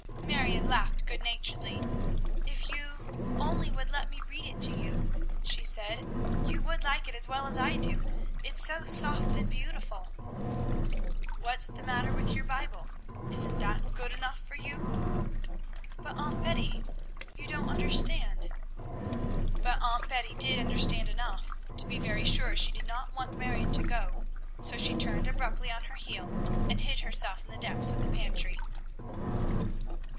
Marion laughed good naturedly. "If you only would let me read it to you," she said, "you would like it as well as I do; it's so soft and beautiful." "What's the matter with your Bible? Isn't that good enough for you?" "But, Aunt Betty, you don't understand." But Aunt Betty did understand enough to be very sure she did not want Marion to go, so she turned abruptly on her heel, and hid herself in the depths of the pantry.